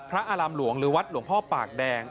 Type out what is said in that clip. อารามหลวงหรือวัดหลวงพ่อปากแดง